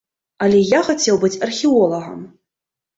Але я хацеў быць археолагам.